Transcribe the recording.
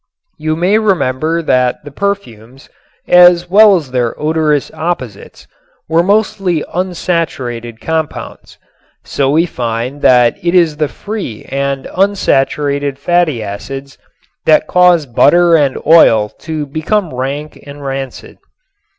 You may remember that the perfumes (as well as their odorous opposites) were mostly unsaturated compounds. So we find that it is the free and unsaturated fatty acids that cause butter and oil to become rank and rancid.